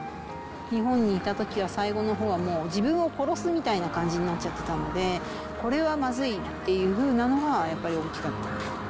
日本にいたときは最後のほうはもう、自分を殺すみたいな感じになっちゃってたので、これはまずいっていうふうなのがやっぱり大きかった。